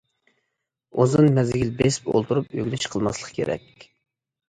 ئۇزۇن مەزگىل بېسىپ ئولتۇرۇپ ئۆگىنىش قىلماسلىق كېرەك.